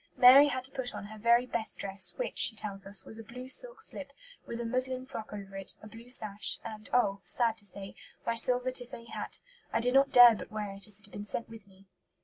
Mary had to put on her "very best dress, which," she tells us, "was a blue silk slip, with a muslin frock over it, a blue sash, and, oh! sad to say, my silver tiffany hat. I did not dare but wear it, as it had been sent with me."